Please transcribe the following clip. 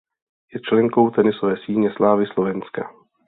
Je členkou Tenisové síně slávy Slovenska.